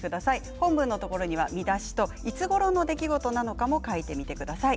本文のところには見出しといつごろの出来事なのかも書いてください。